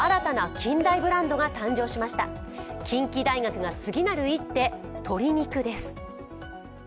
近畿大学が次なる一手鶏肉です。